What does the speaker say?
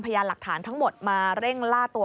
พยานหลักฐานทั้งหมดมาเร่งล่าตัว